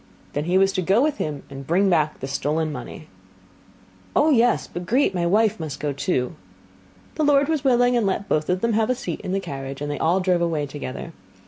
Then he was to go with him and bring back the stolen money. 'Oh, yes, but Grete, my wife, must go too.' The lord was willing, and let both of them have a seat in the carriage, and they all drove away together.